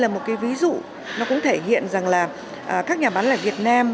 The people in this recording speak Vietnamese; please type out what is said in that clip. một cái ví dụ nó cũng thể hiện rằng là các nhà bán lẻ việt nam